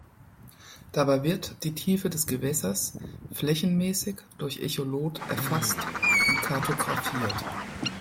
Dabei wird die Tiefe des Gewässers flächenmäßig durch Echolot erfasst und kartografiert.